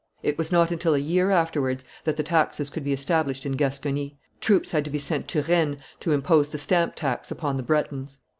It was not until a year afterwards that the taxes could be established in Gascony; troops had to be sent to Rennes to impose the stamp tax upon the Bretons.